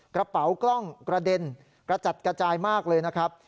กระเป๋ากล้องกระเด็นกระจัดกระจายมากเลยนะครับ